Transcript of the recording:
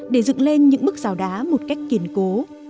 để dựng lên những bức rào đá một cách kiên cố